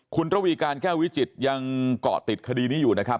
คุณระวีการแก้ววิจิตยังเกาะติดคดีนี้อยู่นะครับ